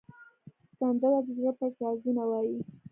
سندره د زړه پټ رازونه وایي